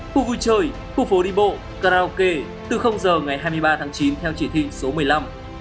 khu vui chơi khu phố đi bộ karaoke từ giờ ngày hai mươi ba tháng chín theo chỉ thị số một mươi năm